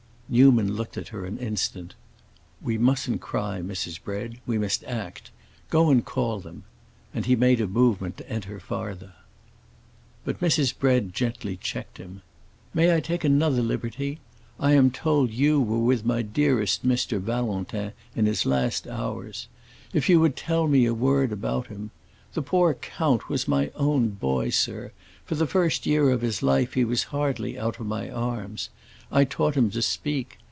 Newman looked at her an instant. "We mustn't cry, Mrs. Bread; we must act. Go and call them!" And he made a movement to enter farther. But Mrs. Bread gently checked him. "May I take another liberty? I am told you were with my dearest Mr. Valentin, in his last hours. If you would tell me a word about him! The poor count was my own boy, sir; for the first year of his life he was hardly out of my arms; I taught him to speak.